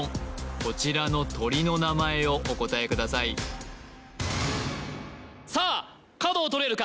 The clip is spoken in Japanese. こちらの鳥の名前をお答えくださいさあ角を取れるか？